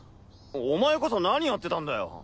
お前こそ何やってたんだよ。